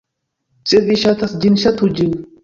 Se vi ŝatas ĝin, ŝatu ĝin.